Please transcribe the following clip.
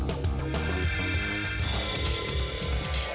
kaca dulu pakai kaca yang gede